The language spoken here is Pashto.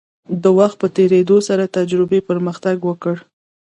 د وخت په تیریدو سره تجربې پرمختګ وکړ.